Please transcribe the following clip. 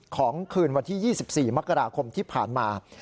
คืนวันที่๒๔มกราคมที่ผ่านมา